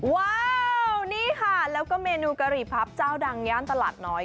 ว้าวนี่ค่ะแล้วก็เมนูกะหรี่พับเจ้าดังย่านตลาดน้อย